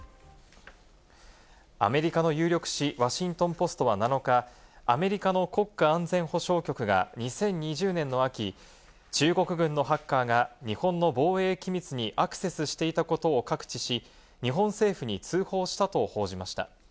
アメリカの有力紙ワシントン・ポストは７日、アメリカの国家安全保障局が２０２０年の秋、中国軍のハッカーが日本の防衛機密にアクセスしていたことを覚知し、日本政府に通報したと報じました。